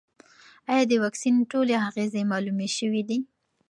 ایا د واکسین ټولې اغېزې معلومې شوې دي؟